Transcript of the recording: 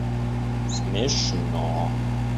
смешно